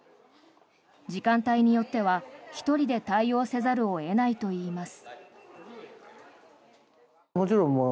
時間帯によっては１人で対応せざるを得ないといいます。